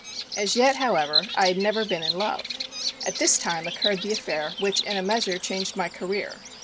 As yet, however, I had never been in love. At this time occurred the affair which in a measure changed my career.